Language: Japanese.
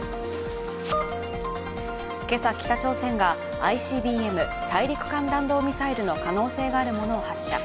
今朝、北朝鮮がＩＣＢＭ＝大陸間弾道ミサイルの可能性があるものを発射。